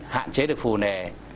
hạn chế được phù nề